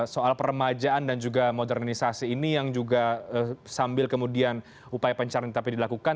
soal permajaan dan juga modernisasi ini yang juga sambil kemudian upaya pencairan ini tetapi dilakukan